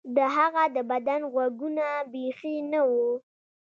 د هغه د بدن غوږونه بیخي نه وو